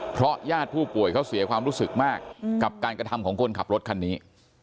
เพราะญาติผู้ป่วยเขาเสียความรู้สึกมากกับการกระทำของคนขับรถคันนี้